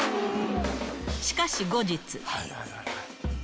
しかし後日。